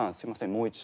もう一度。